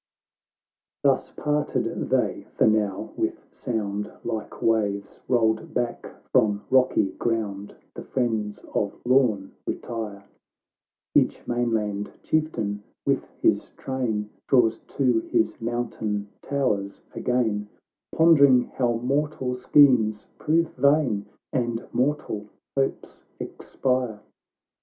— Thus parted they — for now, with sound Like waves rolled back from rocky ground, The friends of Lorn retire ; Each mainland chieftain, with his train, Draws to his mountain towers again, Pondering how mortal schemes prove vain, And mortal hopes expire.